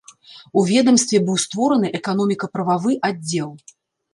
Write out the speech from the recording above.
У ведамстве быў створаны эканоміка-прававы аддзел.